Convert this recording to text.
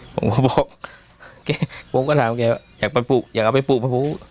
ผมก็บอกแกผมก็ถามแกว่าอยากไปปลูกอยากเอาไปปลูกะหู